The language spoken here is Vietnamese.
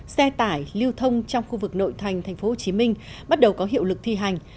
xe tải lưu thông trong khu vực nội thành tp hcm bắt đầu có hiệu lực thi hành